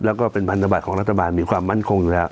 แล้วก็เป็นพันธบัตรของรัฐบาลมีความมั่นคงอยู่แล้ว